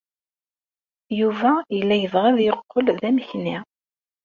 Yuba yella yebɣa ad yeqqel d amekni.